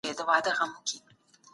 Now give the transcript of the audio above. زه به ستا د دوستانو سره ښه سلوک کوم.